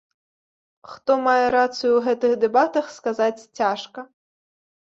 Хто мае рацыю ў гэтых дэбатах, сказаць цяжка.